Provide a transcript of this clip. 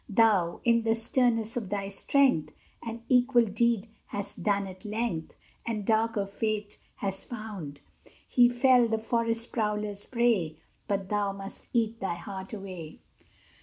Thou, in the sternness of thy strength, An equal deed hast done at length, And darker fate hast found: He fell, the forest prowlers' prey; But thou must eat thy heart away!